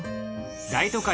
大都会